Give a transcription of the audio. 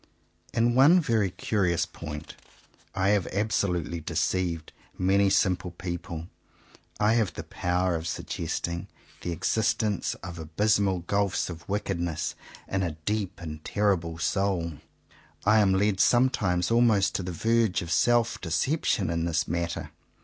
In one very curious point I have abso lutely deceived many simple people. I have the power of suggesting the existence 29 CONFESSIONS OF TWO BROTHERS of abysmal gulfs of ''wickedness" in a deep and terrible soul. I am led sometimes almost to the verge of self deception in this matter.